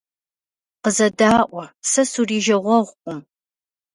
Къызэдаӏуэ, сэ сурижагъуэгъукъым.